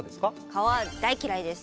蚊は大嫌いです。